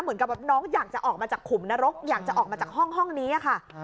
เหมือนกับน้องอยากจะออกมาจากขุมนรกอยากจะออกมาจากห้องนี้ค่ะ